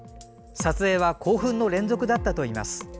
撮影は興奮の連続だったといいます。